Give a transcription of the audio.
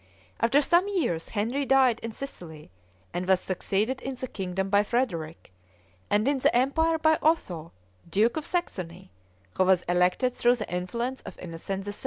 After some years, Henry died in Sicily, and was succeeded in the kingdom by Frederick, and in the empire by Otho, duke of Saxony, who was elected through the influence of Innocent III.